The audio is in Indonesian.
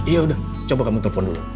iya udah coba kamu telpon dulu